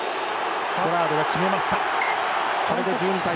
ポラードが決めました。